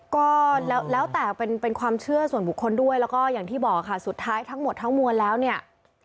ก็แล้วแต่เป็นความเชื่อส่วนบุคคลด้วยแล้วก็อย่างที่บอกค่ะสุดท้ายทั้งหมดทั้งมวลแล้วเนี่ย